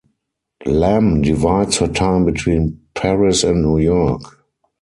Lam divides her time between Paris and New York.